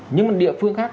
nhưng mà địa phương khác